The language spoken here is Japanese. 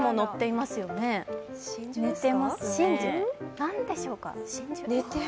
何でしょうか。